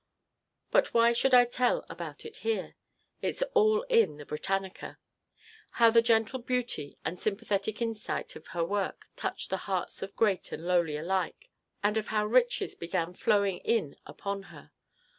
But why should I tell about it here? It's all in the "Britannica" how the gentle beauty and sympathetic insight of her work touched the hearts of great and lowly alike, and of how riches began flowing in upon her.